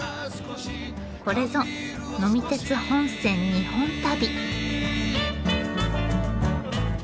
これぞ「呑み鉄本線・日本旅」！